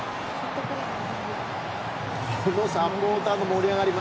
このサポーターの盛り上がり。